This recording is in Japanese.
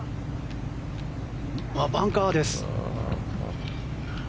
バンカーです。